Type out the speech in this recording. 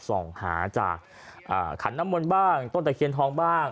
ส่องหาจากขันน้ำมนต์บ้างต้นตะเคียนทองบ้าง